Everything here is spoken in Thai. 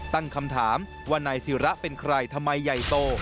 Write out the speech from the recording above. ตั้งคำถามว่านายศิระเป็นใครทำไมใหญ่โต